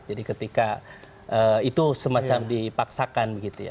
jadi ketika itu semacam dipaksakan gitu ya